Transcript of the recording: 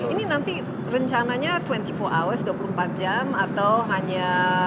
ini nanti rencananya dua puluh empat jam atau hanya